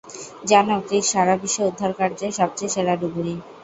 জানো, ক্রিস, সারাবিশ্বে উদ্ধারকার্যে সবচেয়ে সেরা ডুবুরি।